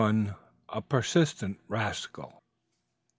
A PERSISTENT RASCAL.